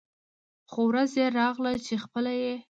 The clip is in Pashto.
خو ورځ يې راغله چې خپله یې